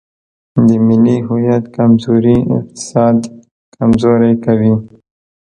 د ملي هویت کمزوري اقتصاد کمزوری کوي.